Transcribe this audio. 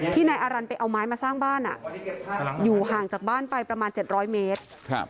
นายอารันไปเอาไม้มาสร้างบ้านอยู่ห่างจากบ้านไปประมาณ๗๐๐เมตร